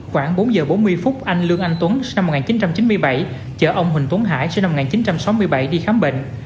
khoảng bốn giờ bốn mươi phút anh lương anh tuấn sinh năm một nghìn chín trăm chín mươi bảy chở ông huỳnh tuấn hải sinh năm một nghìn chín trăm sáu mươi bảy đi khám bệnh